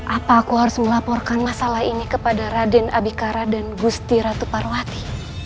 apa aku harus melaporkan masalah ini kepada raden abikara dan gusti ratu parwati